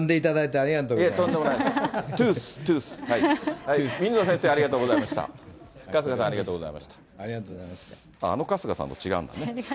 あの春日さんと違うんだね。